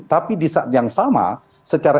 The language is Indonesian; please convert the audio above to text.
tapi di saat yang sama secara